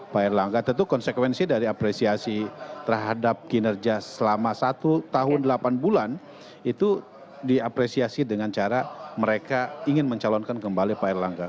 pak erlangga tentu konsekuensi dari apresiasi terhadap kinerja selama satu tahun delapan bulan itu diapresiasi dengan cara mereka ingin mencalonkan kembali pak erlangga